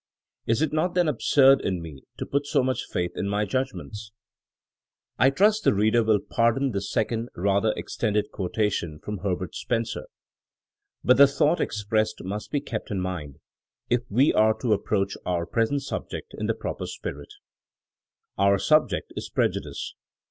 Is it not then absurd in me to put so much faith in my judg ments!' ''^ I trust the reader will pardon this second rather extended quotation from Herbert Spen cer, but the thought expressed must be kept in mind if we are to approach our present subject in the proper spirit Our subject is prejudice.